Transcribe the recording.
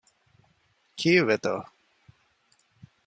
ކީއްވެތޯ؟